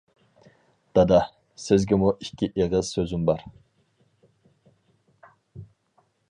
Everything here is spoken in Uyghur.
دادا، سىزگىمۇ ئىككى ئېغىز سۆزۈم بار.